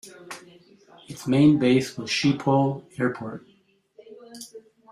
Its main base was Schiphol Airport.